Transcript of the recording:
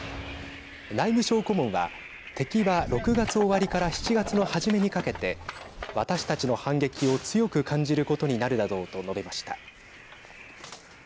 内務相顧問は敵は６月終わりから７月の初めにかけて私たちの反撃を強く感じることになるだろうと述べました。